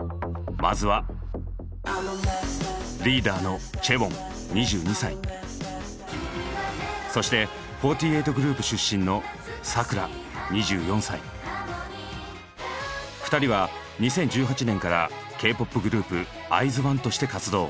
まずはリーダーのそして４８グループ出身の２人は２０１８年からＫ−ＰＯＰグループＩＺＯＮＥとして活動。